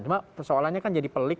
cuma persoalannya kan jadi pelik